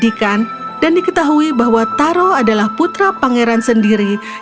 dan menelitikan dan diketahui bahwa taro adalah putra pangeran sendiri